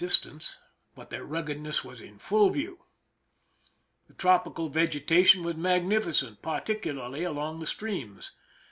distance, 304 PRISON LIFE THE SIEGE but their ruggedness was in full view. The tropi cal vegetation was magnificent, particularly along the streams.